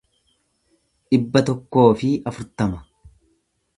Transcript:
dhibba tokkoo fi afurtama